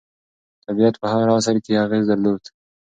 طبیعت په هر عصر کې اغېز درلود.